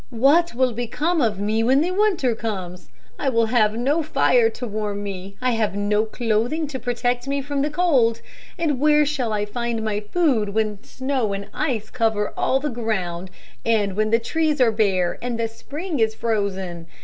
"What will become of me when the winter comes? I will have no fire to warm me. I have no clothing to protect me from the cold, and where shall I find food when snow and ice cover all the ground and when the trees are bare and the spring is frozen?